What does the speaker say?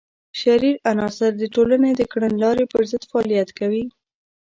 شریر عناصر د ټولنې د کړنلارې پر ضد فعالیت کوي.